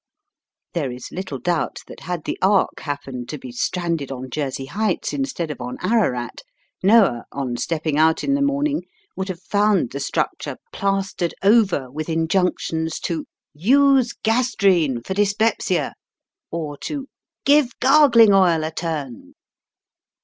There is little doubt that had the Ark hap pened to be stranded on Jersey Heights instead of on Ararat, Noah on stepping out in the morn ing would have found the structure plastered Digitized by VjOOQIC NEW YORK CITY. 27 over witli injunctions to " Use Gastrine for Dyspepsia," or to " Give Gargling Oil a Turn."